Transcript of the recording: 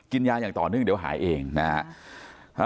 ยาอย่างต่อเนื่องเดี๋ยวหายเองนะฮะ